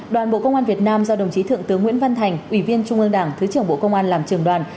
đoàn bộ công an việt nam do đồng chí thượng tướng nguyễn văn thành ủy viên trung ương đảng thứ trưởng bộ công an làm trường đoàn